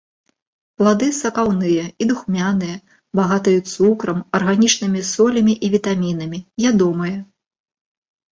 Плады сакаўныя і духмяныя, багатыя цукрам, арганічнымі солямі і вітамінамі, ядомыя.